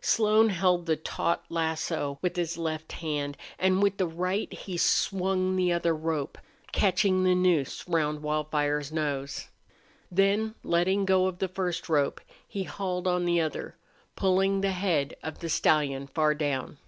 Slone held the taut lasso with his left hand, and with the right he swung the other rope, catching the noose round Wildfire's nose. Then letting go of the first rope he hauled on the other, pulling the head of the stallion far down.